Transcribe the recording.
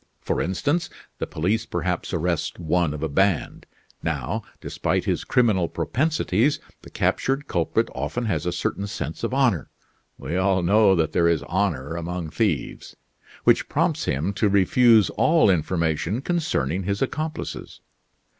For instance, the police perhaps arrest one of a band. Now, despite his criminal propensities the captured culprit often has a certain sense of honor we all know that there is honor among thieves which prompts him to refuse all information concerning his accomplices.